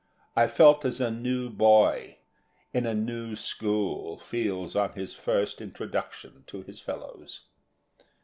I felt as a new boy in a new school feels on his first introduction to his fellows.